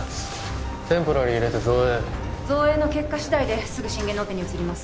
テンポラリー入れて造影造影の結果次第ですぐ心外のオペに移ります